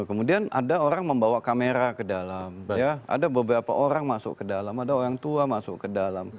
kemudian ada orang membawa kamera ke dalam ada beberapa orang masuk ke dalam ada orang tua masuk ke dalam